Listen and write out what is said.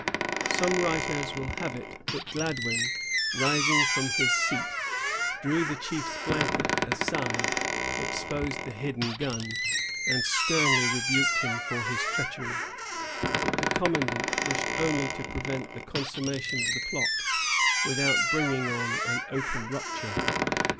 Some writers will have it, that Gladwyn, rising from his seat, drew the chief's blanket aside, exposed the hidden gun, and sternly rebuked him for his treachery. But the commandant wished only to prevent the consummation of the plot, without bringing on an open rupture.